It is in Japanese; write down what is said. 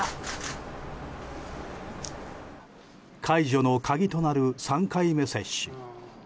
解除の鍵となる３回目接種。